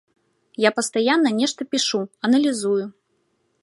Я пастаянна нешта пішу, аналізую.